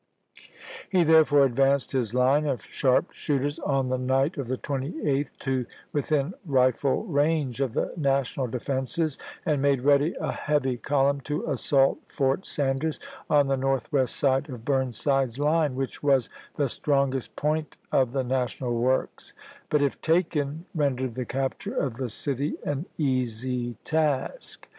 He therefore advanced his line of sharp shooters on the night of the 28th to within rifle range of the national defenses, and made ready a heavy column to assault Fort Sanders on the north west side of Burnside's line, which was the strong est point of the National works, but, if taken, rendered the capture of the city an easy task.